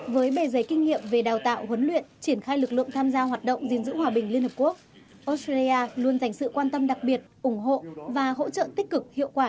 với bề giấy kinh nghiệm về đào tạo huấn luyện triển khai lực lượng tham gia hoạt động gìn giữ hòa bình liên hợp quốc australia luôn dành sự quan tâm đặc biệt ủng hộ và hỗ trợ tích cực hiệu quả